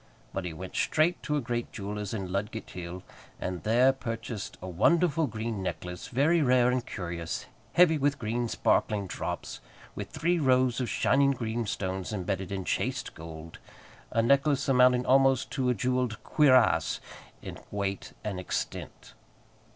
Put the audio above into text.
But he went straight to a great jeweller's in Ludgate hill, and there purchased a wonderful green necklace, very rare and curious, heavy with green sparkling drops, with three rows of shining green stones embedded in chaste gold, a necklace amounting almost to a jewelled cuirass in weight and extent.